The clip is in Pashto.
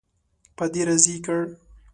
په دې راضي کړ.